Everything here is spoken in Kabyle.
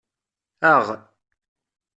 Aɣ.